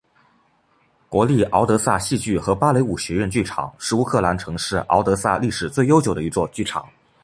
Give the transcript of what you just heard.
国立敖德萨戏剧和芭蕾舞学院剧场是乌克兰城市敖德萨历史最悠久的一座剧场。